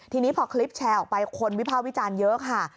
ทีนี้พอคลิปแชร์ออกไปคนวิภาควิจารณ์เยอะค่ะ